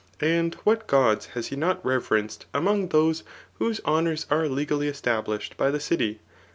And what gods has he not reverenced among those whose bonours are legally established by the city